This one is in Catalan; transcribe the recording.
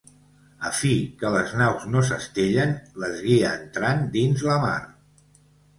A fi que les naus no s'estellen, les guia entrant dins la mar.